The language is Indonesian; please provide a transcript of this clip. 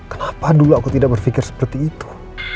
kenapa dulu aku tidak berpikir seperti itu